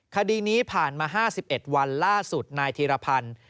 คดีนี้ผ่านมา๕๑วันล่าสุดนายธีรพันธ์